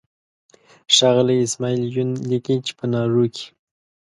ښاغلی اسماعیل یون لیکي چې په نارو کې.